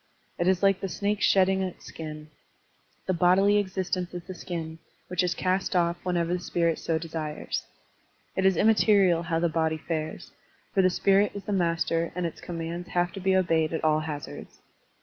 It is like the snake's shedding its skin: the bodily existence is the skin, which is cast off whenever the spirit so desires. It is immaterial how the body fares, for the spirit is the master and its commands have to be obeyed at all hazards.